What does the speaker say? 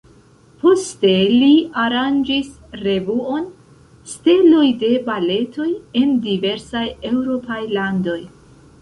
Poste li aranĝis revuon "Steloj de baletoj" en diversaj eŭropaj landoj.